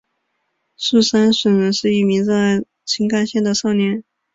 速杉隼人是一名热爱新干线的少年。